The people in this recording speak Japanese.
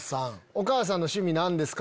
お母さんの趣味何ですか？